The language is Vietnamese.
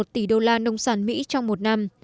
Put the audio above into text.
một tỷ đô la nông sản mỹ trong một năm